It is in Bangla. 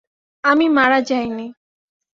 আমি মারা যাইনি!